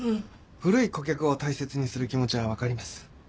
古い顧客を大切にする気持ちは分かります。